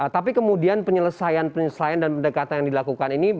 tapi kemudian penyelesaian penyelesaian dan pendekatan yang dilakukan ini